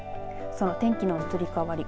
その天気の移り変わり